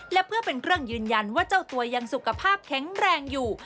และเพื่อเป็นเครื่องยืนยันว่าเจ้าตัวยังสุขภาพแข็งแรงอยู่